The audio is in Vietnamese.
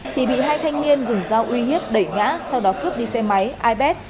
thì bị hai thanh niên dùng dao uy hiếp đẩy ngã sau đó cướp đi xe máy ipad